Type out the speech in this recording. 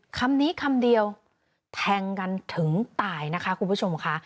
คำนี้คำเดียวแทงกันถึงตายนะคะคุณผู้ชมค่ะ